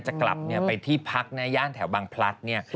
จะกลับไปที่พักในย่านแถวบางพลัดเนี่ย